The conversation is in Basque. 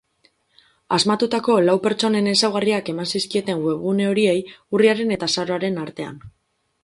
Asmatutako lau pertsonen ezaugarriak eman zizkieten webgune horei urriaren eta azaroaren artean.